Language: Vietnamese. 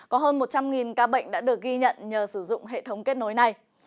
có hơn một trăm linh ca bệnh đã được ghi nhận nhờ sử dụng hệ thống kết nối này